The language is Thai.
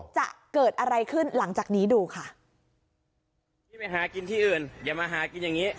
จะเกิดอะไรขึ้นหลังจากนี้ดูค่ะพี่ไปหากินที่อื่นอย่ามาหากินอย่างงี้